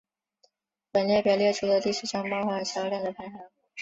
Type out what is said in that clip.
本列表列出的是历史上漫画销量的排行。